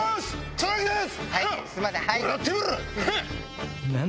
草薙です。